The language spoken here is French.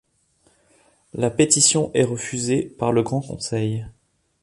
La pétition est refusée par le Grand Conseil.